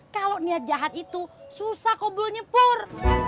kalau niat jahat itu susah kobolnya pur